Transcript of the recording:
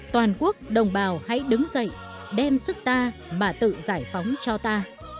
toàn quốc đồng bào hãy đứng dậy đem sức ta mà tự giải phóng cho ta